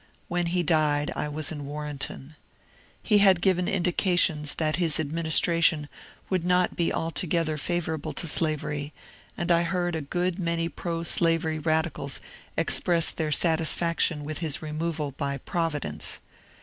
When he died I was in Warrenton. He had given indications that his administra tion would not be altogether favourable to slavery, and I heard a good many proslavery radicals express their satisfaction with hb removal by ^^ Providence."